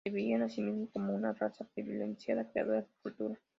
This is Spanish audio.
Se veían a sí mismos como una raza privilegiada creadora de cultura.